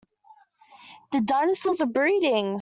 The dinosaurs are breeding!